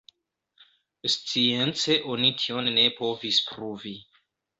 Science oni tion ne povis pruvi.